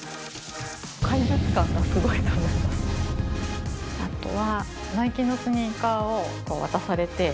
怪物感がすごいと思います。